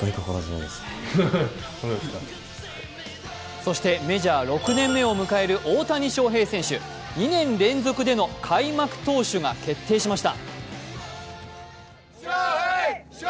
そしてメジャー６年目を迎える大谷翔平選手、２年連続での開幕投手が決定しました。